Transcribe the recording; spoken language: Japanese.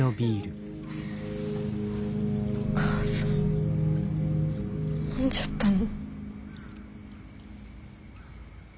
お母さん飲んじゃったの？